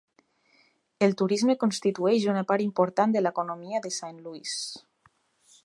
El turisme constitueix una part important a l'economia de Saint Louis.